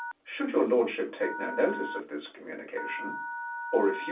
Should your lord ship take no notirp of {his communication or refuse